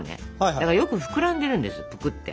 だからよく膨らんでるんですぷくって。